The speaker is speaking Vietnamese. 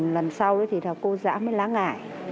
lần sau đó thì là cô dã với lá ngải